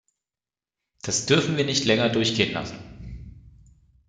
Das dürfen wir nicht länger durchgehen lassen!